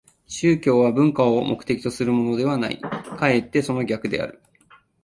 宗教は文化を目的とするものではない、かえってその逆である。